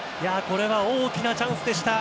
これは大きなチャンスでした。